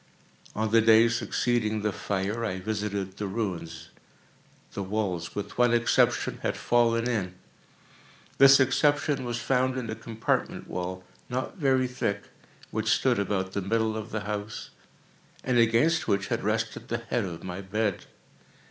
On the day succeeding the fire, I visited the ruins. The walls, with one exception, had fallen in. This exception was found in a compartment wall, not very thick, which stood about the middle of the house, and against which had rested the head of my bed.